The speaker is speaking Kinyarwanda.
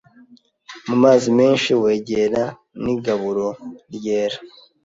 mu mazi menshi, wegera n’igaburo ryera